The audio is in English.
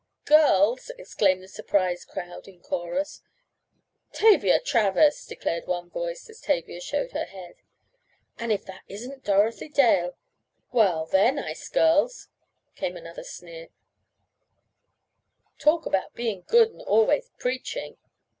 "Girls!" exclaimed the surprised crowd in chorus. "Tavia Travers!" declared one voice, as Tavia showed her head. "And if that isn't Dorothy Dale! Well, they're nice girls!" came another sneer, "talk about being good and always preaching."